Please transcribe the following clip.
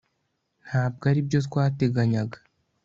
ntabwo aribyo twateganyaga